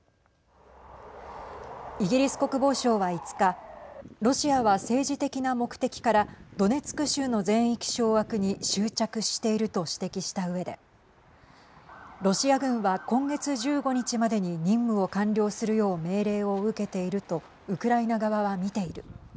イギリス国防省は、５日ロシアは政治的な目的からドネツク州の全域掌握に執着していると指摘したうえでロシア軍は、今月１５日までに任務を完了するよう命令を受けているとウクライナ側は見ている。